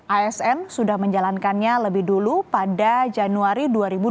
asn sudah menjalankannya lebih dulu pada januari dua ribu dua puluh